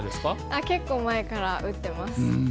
あっ結構前から打ってます。